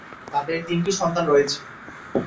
তাঁদের তিনটি সন্তান রয়েছে।